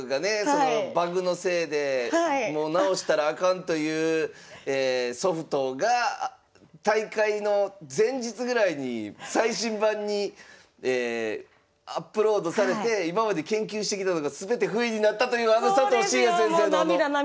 そのバグのせいでもう直したらあかんというソフトが大会の前日ぐらいに最新版にアップロードされて今まで研究してきたのが全てふいになったというあの佐藤紳哉先生のあの。